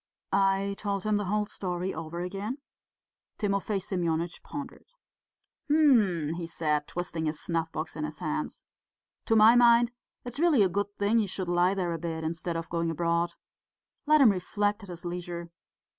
I told him the whole story over again. Timofey Semyonitch pondered. "Hm!" he said, twisting his snuff box in his hands. "To my mind it's really a good thing he should lie there a bit, instead of going abroad. Let him reflect at his leisure.